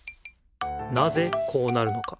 なぜこうなるのか。